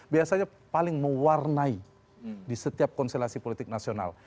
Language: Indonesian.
biasanya paling mewarnai di setiap konstelasi politik nasional